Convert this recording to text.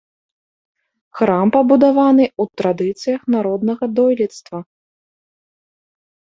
Храм пабудаваны ў традыцыях народнага дойлідства.